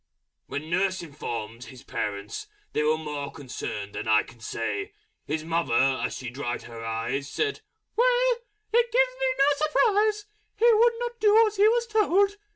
When Nurse informed his Parents, they Were more Concerned than I can say: His Mother, as She dried her eyes, Said, "Well it gives me no surprise, He would not do as he was told!"